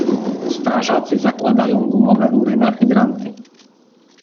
Strażacy zakładają gumowe rury na hydranty.